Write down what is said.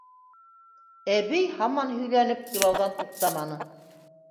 Әбей, һаман һөйләнеп, илауҙан туҡтаманы.